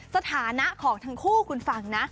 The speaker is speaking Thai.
สถานะของทั้งคู่คุณฟังนะ